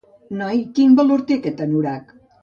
Noi, quin valor té aquest anorac?